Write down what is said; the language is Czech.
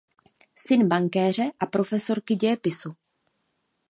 Syn bankéře a profesorky dějepisu.